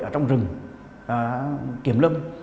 ở trong rừng kiểm lâm